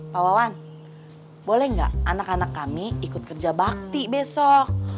pak wawan boleh nggak anak anak kami ikut kerja bakti besok